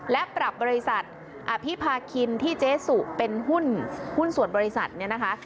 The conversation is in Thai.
และปรับบริษัทอภิพาคินที่เจ๊สุเป็นหุ้นส่วนบริษัทเนี่ยนะคะ